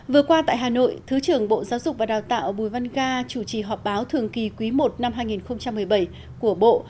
vừa qua tại hà nội thứ trưởng bộ giáo dục và đào tạo bùi văn ga chủ trì họp báo thường kỳ quý i năm hai nghìn một mươi bảy của bộ